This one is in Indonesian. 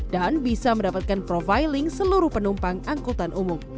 dan bisa mendapatkan profiling seluruh penumpang angkutan